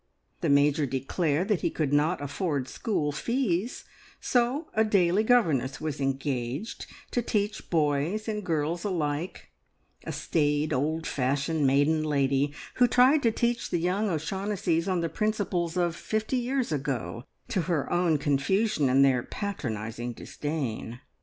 The Major declared that he could not afford school fees, so a daily governess was engaged to teach boys and girls alike a staid, old fashioned maiden lady, who tried to teach the young O'Shaughnessys on the principles of fifty years ago, to her own confusion and their patronising disdain.